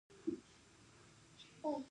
هندوکش د افغانستان د صادراتو برخه ده.